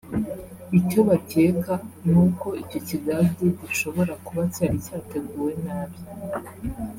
icyo bakeka ni uko icyo kigage gishobora kuba cyari cyateguwe nabi